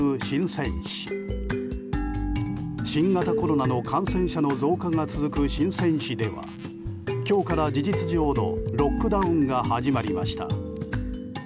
新型コロナの感染者の増加が続くシンセン市では今日から事実上のロックダウンが始まりました。